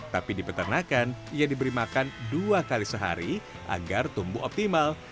tapi di peternakan ia diberi makan dua kali sehari agar tumbuh optimal